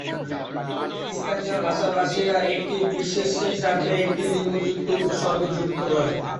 স্থানীয় ভাষাভাষীরা একটি বিশেষ্যের সাথে একটি লিঙ্গযুক্ত উপসর্গ যুক্ত করে।